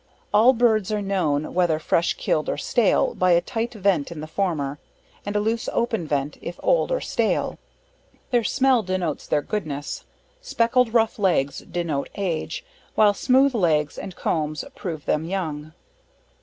All birds are known, whether fresh killed or stale, by a tight vent in the former, and a loose open vent if old or stale; their smell denotes their goodness; speckled rough legs denote age, while smooth legs and combs prove them young.